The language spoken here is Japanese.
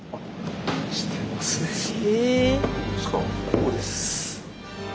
ここです。